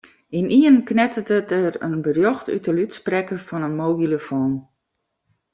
Ynienen knetteret der in berjocht út de lûdsprekker fan de mobilofoan.